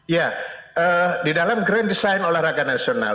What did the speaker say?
ya di dalam grand design olahraga nasional